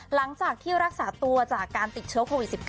หลังจากที่รักษาตัวจากการติดเชื้อโควิด๑๙